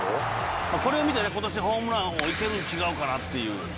これを見て今年ホームラン王いけるん違うかなっていう。